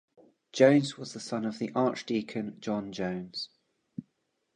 Jones was the son of the Archdeacon John Jones.